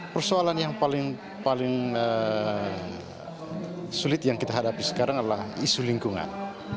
persoalan yang paling sulit yang kita hadapi sekarang adalah isu lingkungan